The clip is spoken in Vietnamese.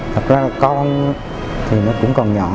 thật ra là con thì nó cũng còn nhỏ